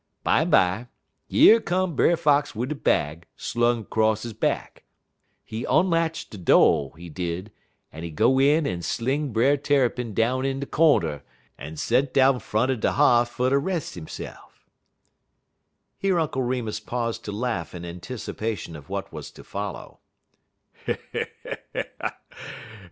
"Bimeby yer come Brer Fox wid de bag slung 'cross he back. He onlatch de do', he did, en he go in en sling Brer Tarrypin down in de cornder, en set down front er de h'ath fer ter res' hisse'f." Here Uncle Remus paused to laugh in anticipation of what was to follow.